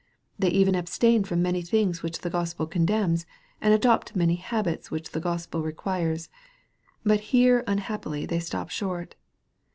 They even abstain from many things which the Gospel condemns, and adopt many habits which the Gospel requires. But here unhappily they stop short.